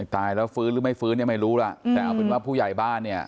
ตายแล้วฟื้นหรือไม่ฟื้นเนี่ยไม่รู้ล่ะแต่เอาเป็นว่าผู้ใหญ่บ้านเนี่ย